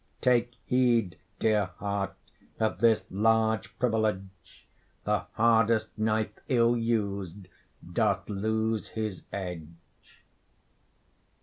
Take heed, dear heart, of this large privilege; The hardest knife ill us'd doth lose his edge.